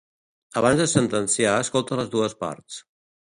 Abans de sentenciar escolta les dues parts.